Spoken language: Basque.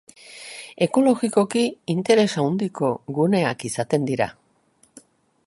Ekologikoki interes handiko guneak izaten dira.